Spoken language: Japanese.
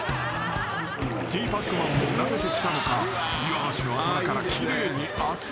［ティーパックマンも慣れてきたのか岩橋の頭から奇麗にあつあつティーサービス］